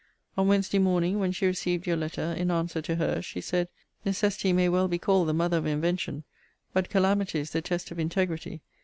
On Wednesday morning, when she received your letter, in answer to her's, she said, Necessity may well be called the mother of invention but calamity is the test of integrity.